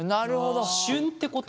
旬ってこと？